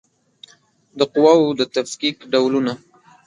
د قواوو د تفکیک ډولونه